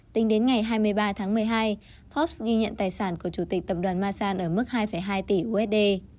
tính đến ngày hai mươi ba tháng một mươi hai forbes ghi nhận tài sản của chủ tịch tập đoàn masan ở mức hai hai tỷ usd